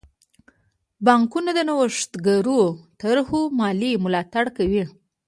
بانکونه د نوښتګرو طرحو مالي ملاتړ کوي.